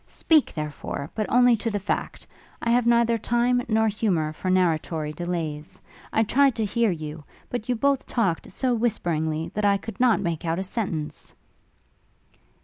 Speak, therefore! but only to the fact. I have neither time nor humour for narratory delays. I tried to hear you; but you both talked so whisperingly, that I could not make out a sentence.'